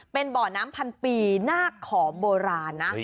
เป็นบ่อน้ำพันปีนาคขอมโบราณนะ